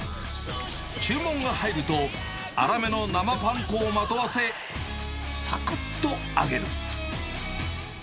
注文が入ると、粗めの生パン粉をまとわせ、さくっと揚げる。